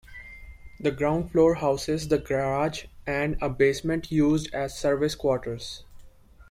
The ground floor houses the garage and a basement used as service quarters.